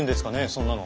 そんなの。